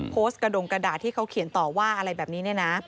กระดงกระดาษที่เขาเขียนต่อว่าอะไรแบบนี้เนี่ยนะ